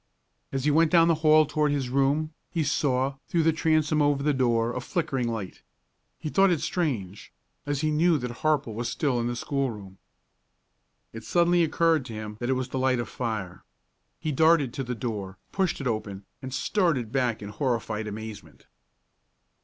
As he went down the hall toward his room, he saw, through the transom over the door, a flickering light. He thought it strange, as he knew that Harple was still in the schoolroom. It suddenly occurred to him that it was the light of fire. He darted to the door, pushed it open, and started back in horrified amazement.